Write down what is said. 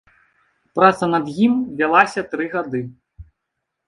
Праца над ім вялася тры гады.